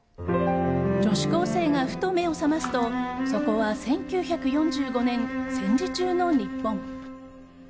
女子高生が、ふと目を覚ますとそこは１９４５年、戦時中の日本。